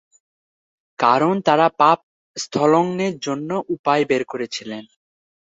কারণ তারা পাপ স্খলনের উপায় বের করেছিল।